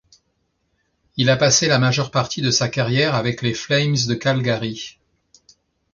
Il a passé la majeure partie de sa carrière avec les Flames de Calgary.